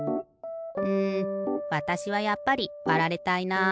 うんわたしはやっぱりわられたいな。